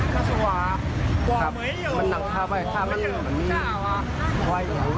เร็วเร็ว